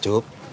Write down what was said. terus apa mas